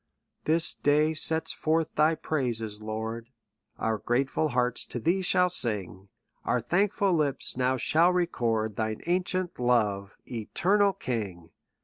This day sets forth thy praises. Lord ; Our grateful hearts to thee shall sing. Our thankful lips now shall record Thine ancient love, eternal King